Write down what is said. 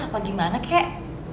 apa gimana kek